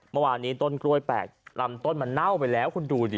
เมื่อวานนี้ต้นกล้วยแปลกลำต้นมันเน่าไปแล้วคุณดูสิ